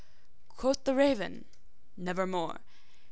Quoth the raven, `Nevermore.'